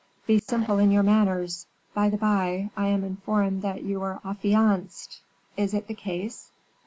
Be simple in your manners. By the by, I am informed that you are affianced; is it the case?"